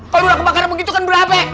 kalau udah kebakaran begitu kan belabek